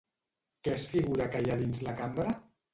Què es figura que hi ha dins la cambra?